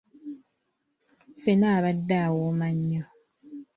Ffene abadde awooma nnyo.